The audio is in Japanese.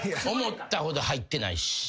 思ったほど入ってないし。